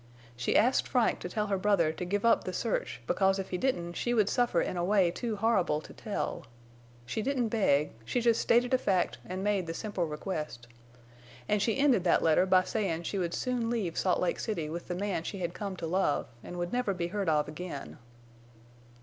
She asked Frank to tell her brother to give up the search because if he didn't she would suffer in a way too horrible to tell. She didn't beg. She just stated a fact an' made the simple request. An' she ended that letter by sayin' she would soon leave Salt Lake City with the man she had come to love, en' would never be heard of again.